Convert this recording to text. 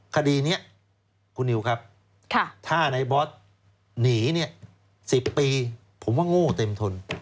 คดีนี้คุณนิวครับถ้าในบอสหนี๑๐ปีผมว่าโง่เต็มทน